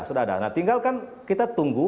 sudah ada nah tinggalkan kita tunggu